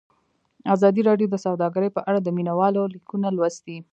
ازادي راډیو د سوداګري په اړه د مینه والو لیکونه لوستي.